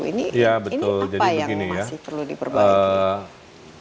ini apa yang masih perlu diperbaiki